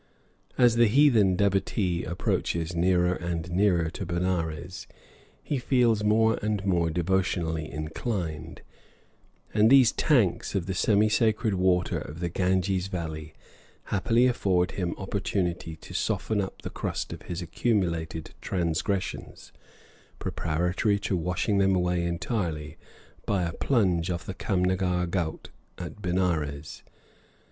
As the heathen devotee approaches nearer and nearer to Benares he feels more and more devotionally inclined, and these tanks of the semi sacred water of the Ganges Valley happily afford him opportunity to soften up the crust of his accumulated transgressions, preparatory to washing them away entirely by a plunge off the Kamnagar ghaut at Benares.